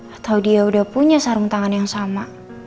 atau dia sudah punya sarung tangan yang sama